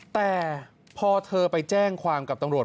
แต่พอเธอไปแจ้งความกับตำรวจ